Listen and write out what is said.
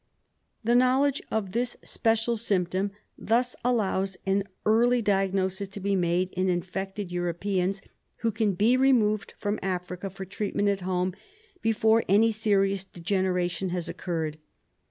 The knowledge of this special symptom thus allows an early diagnosis to be made in infected Europeans, who can be removed from Africa for treatment at home before any serious degeneration has occurred.